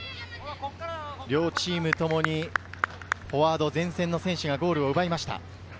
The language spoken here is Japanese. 両チームともにフォワード、前線の選手がゴールを奪いました。